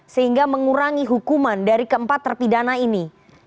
sehingga mengurangi hukuman dari keempat terpidana ini